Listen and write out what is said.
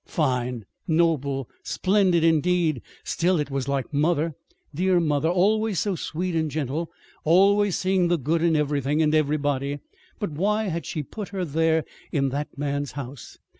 Fine! Noble! Splendid, indeed! Still, it was like mother, dear mother, always so sweet and gentle, always seeing the good in everything and everybody! But why had she put her there in that man's house?